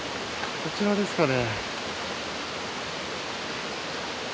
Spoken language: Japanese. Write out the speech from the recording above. あちらですかね？